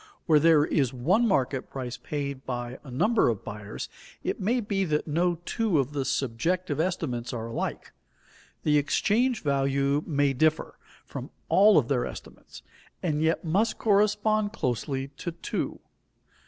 Where there is one market price paid by a number of buyers, it may be that no two of the subjective estimates are alike; the exchange value may differ from all of their estimates, and yet must correspond closely to two.